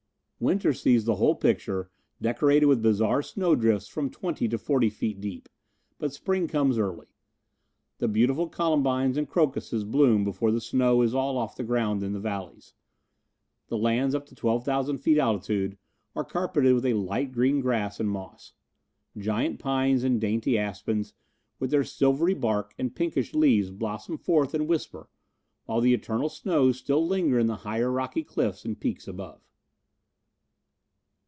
Winter sees the whole picture decorated with bizarre snowdrifts from twenty to forty feet deep, but spring comes early. The beautiful columbines and crocuses bloom before the snow is all off the ground in the valleys. The lands up to 12,000 feet altitude are carpeted with a light green grass and moss. Giant pines and dainty aspens, with their silvery bark and pinkish leaves blossom forth and whisper, while the eternal snows still linger in the higher rocky cliffs and peaks above.